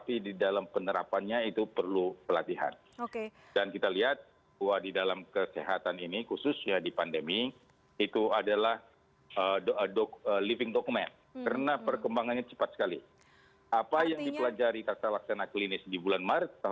ini juga harus disampaikan